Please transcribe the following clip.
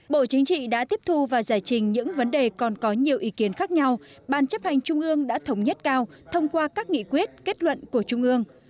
bộ chính trị đã tiếp thu và giải trình những vấn đề còn có nhiều ý kiến khác nhau ban chấp hành trung ương đã thống nhất cao thông qua các nghị quyết kết luận của trung ương